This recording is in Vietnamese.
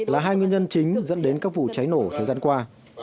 là hai nguyên nhân chính dẫn đến các vụ cháy nổ thời gian qua